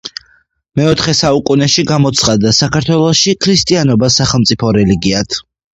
მეოთხე საუკუნეში გამოცხადდა საქართველოში ქრისტიანობა სახელმწიფო რელიგიად